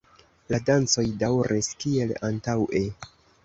La dancoj daŭris kiel antaŭe.